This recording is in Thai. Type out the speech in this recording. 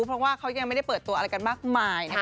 เพราะว่าเขายังไม่ได้เปิดตัวอะไรกันมากมายนะคะ